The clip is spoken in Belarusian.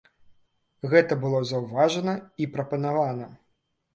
Гэта было заўважана і прапанавана.